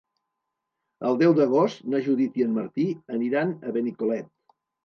El deu d'agost na Judit i en Martí aniran a Benicolet.